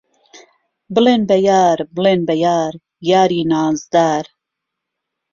بڵێن به یار، بڵێن به یار، یاری نازدار